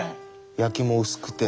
焼きも薄くて。